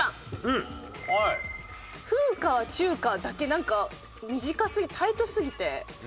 「風花は中華」だけなんか短すぎタイトすぎて。